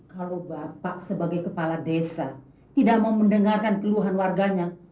kalau bapak sebagai kepala desa tidak mau mendengarkan keluhan warganya